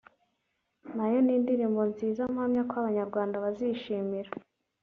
nayo ni indirimbo nziza mpamya ko abanyarwanda bazishimira